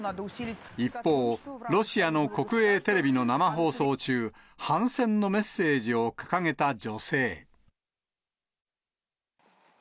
一方、ロシアの国営テレビの生放送中、反戦のメッセージを掲げた